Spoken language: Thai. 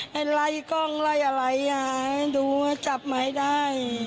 ให้ไล่กล้องไล่อะไรดูจับไหมได้